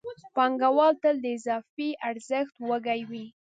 پانګوال تل د اضافي ارزښت وږی وي